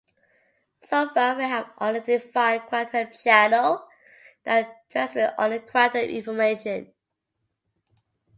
So far we have only defined quantum channel that transmits only quantum information.